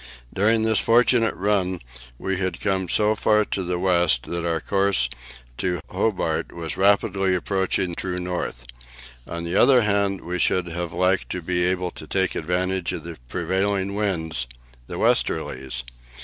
During this fortunate run we had come so far to the west that our course to Hobart was rapidly approaching true north. On the other hand, we should have liked to be able to take advantage of the prevailing winds, the westerlies.